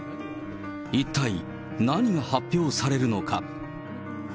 一体何が発表されるのか。